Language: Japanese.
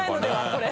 これ。